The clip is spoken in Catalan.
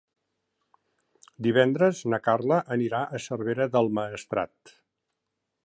Divendres na Carla anirà a Cervera del Maestrat.